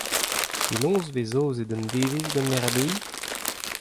Penaos e vez aozet un devezh gant R B I ?